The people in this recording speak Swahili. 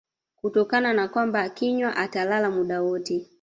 kutokana na kwamba akinywa atalala muda wote